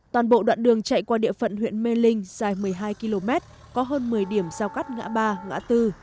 toàn bộ đoạn đường chạy qua địa phận huyện mê linh dài một mươi hai km có hơn một mươi điểm giao cắt ngã ba ngã tư